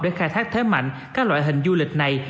để khai thác thế mạnh các loại hình du lịch này